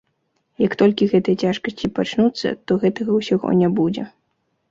Як толькі гэтыя цяжкасці пачнуцца, то гэтага ўсяго не будзе.